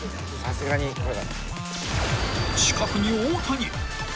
［近くに大谷］